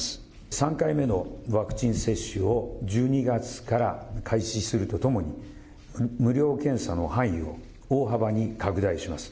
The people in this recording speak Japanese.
３回目のワクチン接種を１２月から開始するとともに、無料検査の範囲を大幅に拡大します。